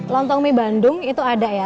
lontong mie bandung itu ada ya